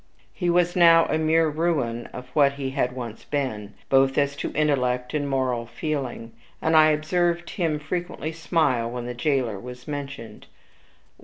He was now a mere ruin of what he had once been, both as to intellect and moral feeling; and I observed him frequently smile when the jailer was mentioned.